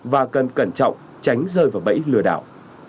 và cần cẩn trọng tránh rơi vào bẫy lừa đảo